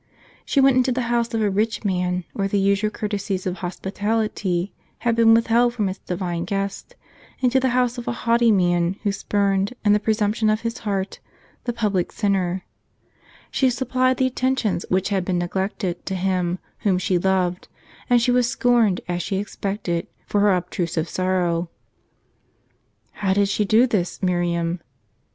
" She went into the house of a rich man, where the usual courtesies of hospitality had been withheld from its Divine guest, into the house of a haughty man who spurned, in the presumption of his heart, the public sinner ; she supplied the attentions which had been neglected to Him whom she loved ; and she was scorned, as she expected, for her obtrusive sorrow." " How did she do this, Miriam